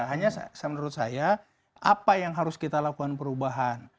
hanya menurut saya apa yang harus kita lakukan perubahan